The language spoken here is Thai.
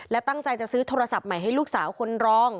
และตั้งใจจะซื้อโทรศัพท์ใหม่ให้ลูกสาวคนรอง